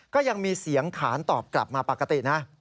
ก็ยังมีเสียงขานตอบกลับมาปกตินะ